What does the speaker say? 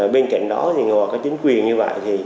bên cạnh đó thì họ có chính quyền như vậy